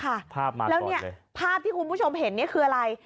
ภาพมาก่อนเลยแล้วนี่ภาพที่คุณผู้ชมเห็นคืออะไร